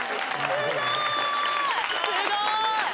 すごーい！